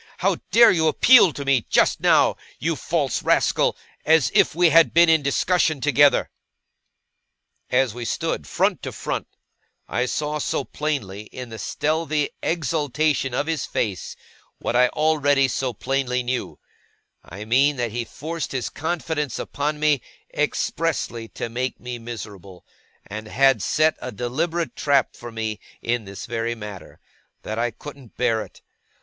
How dare you appeal to me just now, you false rascal, as if we had been in discussion together?' As we stood, front to front, I saw so plainly, in the stealthy exultation of his face, what I already so plainly knew; I mean that he forced his confidence upon me, expressly to make me miserable, and had set a deliberate trap for me in this very matter; that I couldn't bear it.